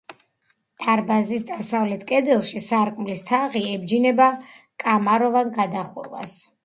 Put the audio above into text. დარბაზის დასავლეთ კედელში სარკმლის თაღი ებჯინება კამაროვან გადახურვას.